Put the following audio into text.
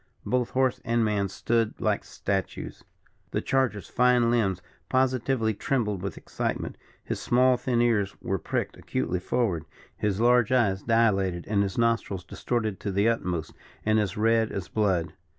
Both horse and man stood like statues. The charger's fine limbs positively trembled with excitement; his small, thin ears were pricked acutely forward; his large eyes dilated; and his nostrils distorted to the utmost, and as red as blood.